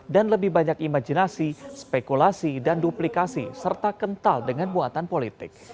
dan lebih banyak imajinasi spekulasi dan duplikasi serta kental dengan buatan politik